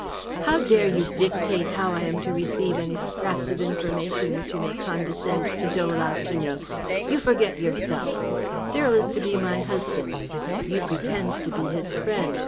"How dare you dictate how I am to receive any scraps of information which you may condescend to dole out to me! You forget yourself. Cyril is to be my husband; you pretend to be his friend.